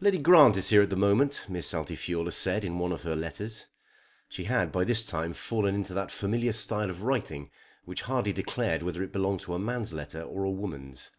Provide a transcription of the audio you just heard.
"Lady Grant is here at this moment," Miss Altifiorla said in one of her letters. She had by this time fallen into that familiar style of writing which hardly declared whether it belonged to a man's letter or a woman's.